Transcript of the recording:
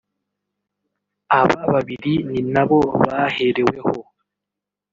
Aba babiri ni nabo bahereweho